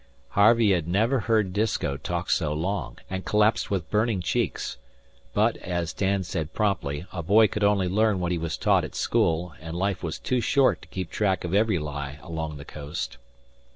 Harvey had never heard Disko talk so long, and collapsed with burning cheeks; but, as Dan said promptly, a boy could only learn what he was taught at school, and life was too short to keep track of every lie along the coast.